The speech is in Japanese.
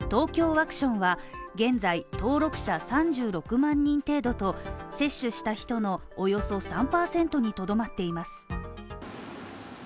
ワクションは、現在登録者３６万人程度と接種した人のおよそ３％にとどまっています。